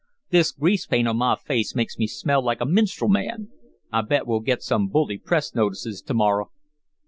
This grease paint on my face makes me smell like a minstrel man. I bet we'll get some bully press notices to morrow."